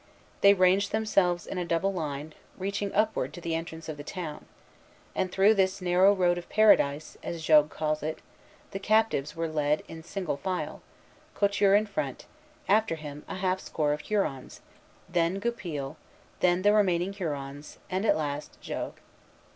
They ranged themselves in a double line, reaching upward to the entrance of the town; and through this "narrow road of Paradise," as Jogues calls it, the captives were led in single file, Couture in front, after him a half score of Hurons, then Goupil, then the remaining Hurons, and at last Jogues.